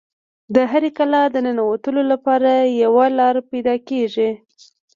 د هرې کلا د ننوتلو لپاره یوه لاره پیدا کیږي